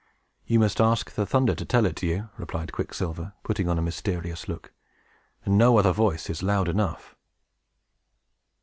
"You must ask the thunder to tell it you!" replied Quicksilver, putting on a mysterious look. "No other voice is loud enough."